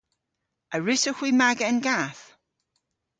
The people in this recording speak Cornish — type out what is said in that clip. A wrussowgh hwi maga an gath?